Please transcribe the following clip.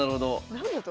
何だと？